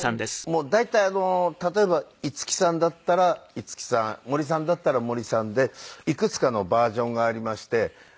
大体例えば五木さんだったら五木さん森さんだったら森さんでいくつかのバージョンがありまして。